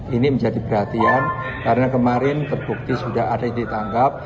ini menjadi perhatian karena kemarin terbukti sudah ada yang ditangkap